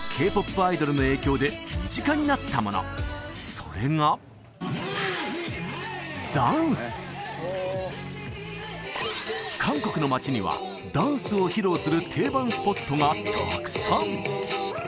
それが韓国の街にはダンスを披露する定番スポットがたくさん！